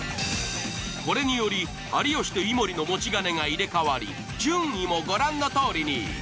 これにより有吉と井森の持ち金が入れ替わり順位もご覧のとおりに。